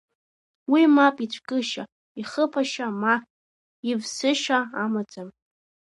Уи мап ицәкышьа, ихыԥашьа, ма ивсышьа амаӡам.